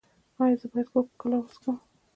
ایا زه باید کوکا کولا وڅښم؟